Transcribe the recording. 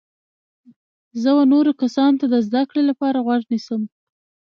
زه و نورو کسانو ته د زده کړي لپاره غوږ نیسم.